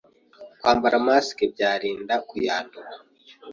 Kwambara mask byarinda kuyandura